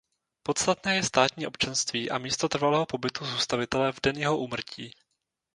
Podstatné je státní občanství a místo trvalého pobytu zůstavitele v den jeho úmrtí.